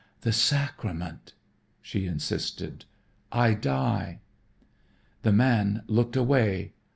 "The sacrament," she insisted, "I die." The man looked away.